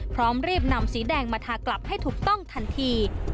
พร้อมรีบนำสีแดงมาทากลับให้ถูกต้องทันที